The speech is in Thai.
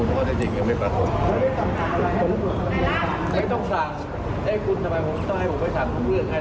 ใครจะไปใครจะมาไม่ใช่เฉพาะอะไรหนึ่งไหน